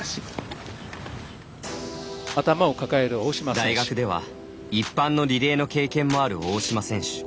大学では一般のリレーの経験もある大島選手。